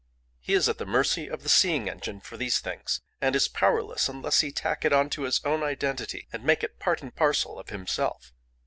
He is at the mercy of the seeing engine for these things, and is powerless unless he tack it on to his own identity, and make it part and parcel of himself.